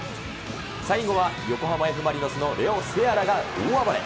最後は横浜Ｆ・マリノスのレオ・セアラが大暴れ。